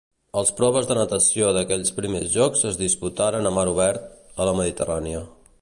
Els proves de natació d'aquells primers jocs es disputaren a mar obert, a la Mediterrània.